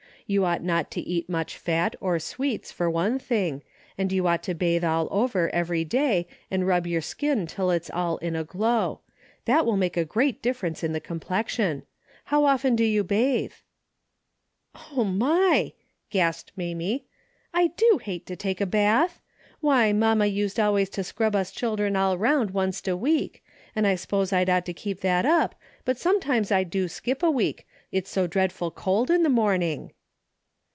You ought not to eat much fat or sweets for one thing, and you ought to bathe all over every day and rub your skin till it's all in a glow. That will make a great difference in the complexion. How often do you bathe ?"" Oh my !" gasped Mamie, " I do hate to take a bath. Why, ma used always to scrub us children all around oncet a week, and I 236 A DAILY BATE.'^ s'pose I'd ought to keep that up, but some times I do skip a week, it's so dreadful cold in the morning."